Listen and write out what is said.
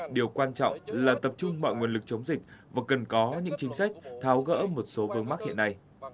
điều quan trọng là tập trung mọi nguồn lực chống dịch và cần có những chính sách tháo gỡ một số vương mắc hiện nay